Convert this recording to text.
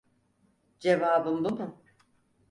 Cevabın bu mu?